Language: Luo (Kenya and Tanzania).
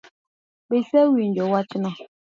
Be isewinjo wachno?